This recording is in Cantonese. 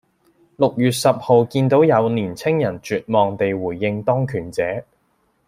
六月十號見到有年青人絕望地回應當權者